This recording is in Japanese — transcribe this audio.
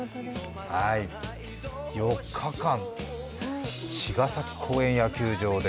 ４日間、茅ヶ崎公園野球場で。